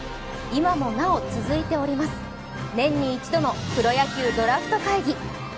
今もなお続いております年に一度のプロ野球ドラフト会議。